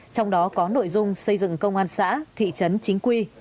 trong đó có nội dung xây dựng công an xã thị trấn chính quy